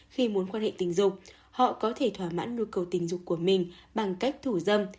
khi muốn quan hệ tình dục họ có thể thỏa mãn nhu cầu tình dục của mình bằng cách thủ dâm